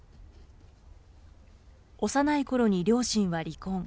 幼いころに両親は離婚。